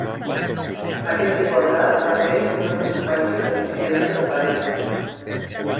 Aquesta igualtat parteix d'una conseqüència d'eficiència de Pareto.